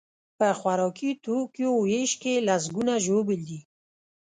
په خوراکي توکیو ویش کې لسکونه ژوبل دي.